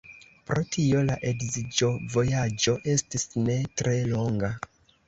Pro tio la edziĝovojaĝo estis ne tre longa.